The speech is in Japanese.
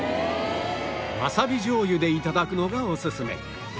わさび醤油で頂くのがおすすめ